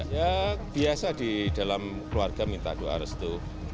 ya biasa di dalam keluarga minta doa restu